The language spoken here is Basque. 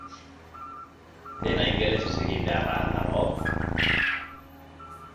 Dena ingelesez egin beharra al dago?